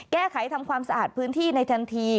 แก้ไขทำความสะอาดพื้นที่ในทันที